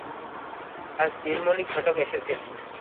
আজ নীলমণি ঘটক এসেছিল।